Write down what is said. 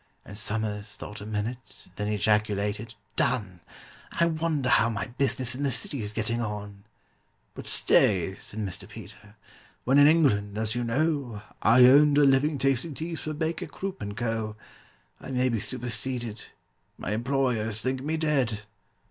And SOMERS thought a minute, then ejaculated, "Done! I wonder how my business in the City's getting on?" "But stay," said Mr. PETER: "when in England, as you know, I earned a living tasting teas for BAKER, CROOP, AND CO., I may be superseded—my employers think me dead!"